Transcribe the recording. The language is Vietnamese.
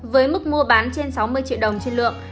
với mức mua bán trên sáu mươi triệu đồng trên lượng